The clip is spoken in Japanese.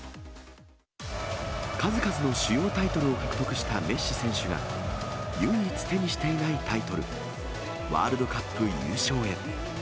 数々の主要タイトルを獲得したメッシ選手が、唯一手にしていないタイトル、ワールドカップ優勝へ。